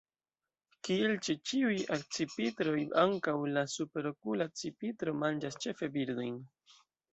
Kiel ĉe ĉiuj akcipitroj, ankaŭ la Superokula akcipitro manĝas ĉefe birdojn.